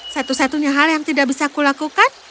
satu satunya hal yang tidak bisa kulakukan